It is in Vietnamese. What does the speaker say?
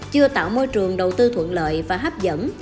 chưa tạo môi trường đầu tư thuận lợi và hấp dẫn